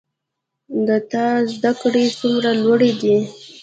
د تا زده کړي څومره لوړي دي